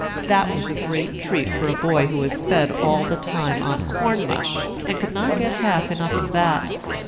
That was a great treat for a boy who was fed all the time on corn mush, and could not get half enough of that.